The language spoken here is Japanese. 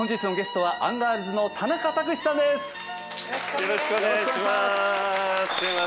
よろしくお願いします。